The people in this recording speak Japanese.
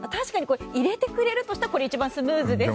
入れてくれるとしたらこれがスムーズですね。